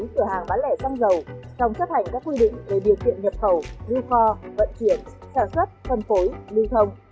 cửa hàng bán lẻ xăng dầu trong chấp hành các quy định về điều kiện nhập khẩu lưu kho vận chuyển sản xuất phân phối lưu thông